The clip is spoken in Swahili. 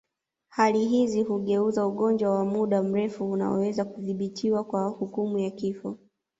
Hali hizi hugeuza ugonjwa wa muda mrefu unaoweza kudhibitiwa kwa hukumu ya kifo